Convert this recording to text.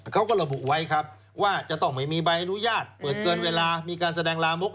เขาก็ระบุไว้ครับว่าจะต้องไม่มีใบอนุญาตเปิดเกินเวลามีการแสดงลามก